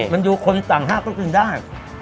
มันดูคนจังห้าต้นกินได้